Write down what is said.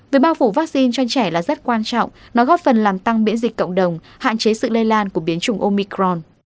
việc bao phủ vaccine cho trẻ là rất quan trọng nó góp phần làm tăng biễn dịch cộng đồng hạn chế sự lây lan của biến chủng omicron